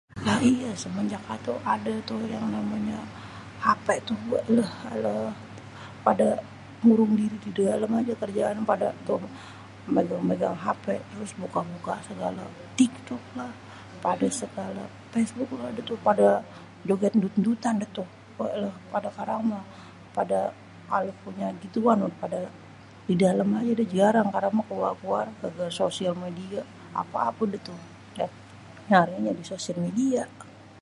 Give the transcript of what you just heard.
lah iye semnjak ade yang namnye hp tuh weileh pade murung didalem aje kerjaannye tuh pade maen hp segale buka buka tiktoklah pade segala fasbok lah pade joget endut-endutan dah toh wealwh karang meh pade punya gituan pade didalem aje pada jarang karang meh kuar-kuar gara-gara sosmed ape-ape deh tuh nyarinye di sosial media